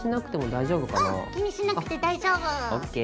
気にしなくて大丈夫。